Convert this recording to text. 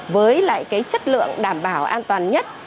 với lại chất lượng đảm bảo an toàn nhất